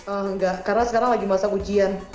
enggak karena sekarang lagi masa ujian